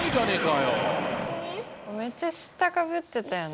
めっちゃ知ったかぶってたよね。